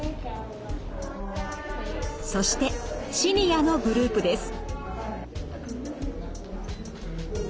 そしてシニアのグループです。